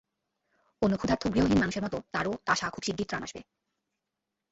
অন্য ক্ষুধার্ত, গৃহহীন মানুষের মতো তাঁরও আশা, খুব শিগগির ত্রাণ আসবে।